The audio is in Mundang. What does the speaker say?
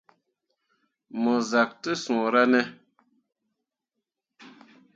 Mo zak te suura ne.